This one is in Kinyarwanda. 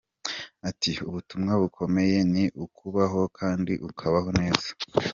Ati“Ubutumwa bukomeye ni ukubaho kandi ukabaho neza.